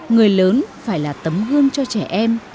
người lớn phải là tấm gương cho trẻ em